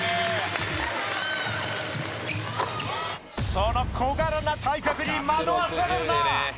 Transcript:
その小柄な体格に惑わされるな！